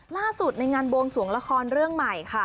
ในงานบวงสวงละครเรื่องใหม่ค่ะ